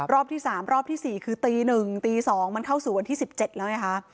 รอบที่๓รอบที่๔คือตี๑ตี๒มันเข้าสู่วันที่๑๗แล้วไงคะ